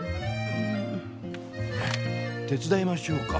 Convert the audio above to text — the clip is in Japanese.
手伝いましょうか？